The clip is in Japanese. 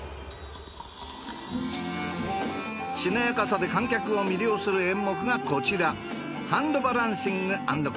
しなやかさで観客を魅了する演目がこちら。